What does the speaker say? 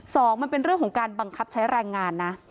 สองมันเป็นเรื่องของการบังคับใช้แรงงานนะ